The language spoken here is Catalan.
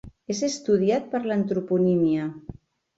És estudiat per l'antroponímia.